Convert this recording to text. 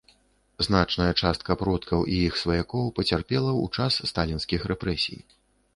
Значная частка продкаў і іх сваякоў пацярпела ў час сталінскіх рэпрэсій.